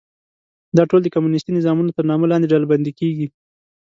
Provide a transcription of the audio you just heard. دا ټول د کمونیستي نظامونو تر نامه لاندې ډلبندي کېږي.